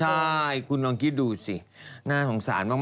ใช่คุณลองคิดดูสิน่าสงสารมาก